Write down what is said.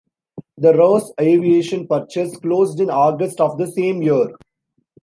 The Ross Aviation purchase closed in August of the same year.